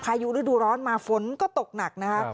พายุฤดูร้อนมาฝนก็ตกหนักนะคะ